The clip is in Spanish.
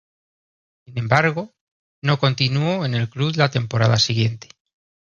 Sin embargo, no continuó en el club la temporada siguiente.